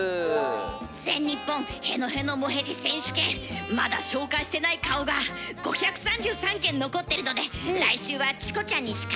「全日本へのへのもへじ選手権」まだ紹介してない顔が５３３件残ってるので来週は「チコちゃんに叱られる」